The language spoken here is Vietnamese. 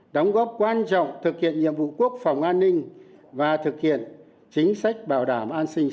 đóng góp quan trọng thực hiện nhiệm vụ quốc phòng an ninh và thực hiện chính sách bảo đảm